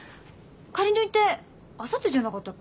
仮縫いってあさってじゃなかったっけ？